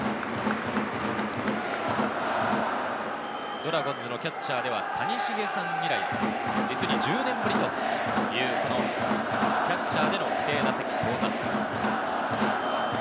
ドラゴンズのキャッチャーでは谷繁さん以来、実に１０年ぶりというキャッチャーでの規定打席到達。